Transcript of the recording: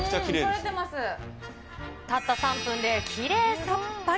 たった３分できれいさっぱり。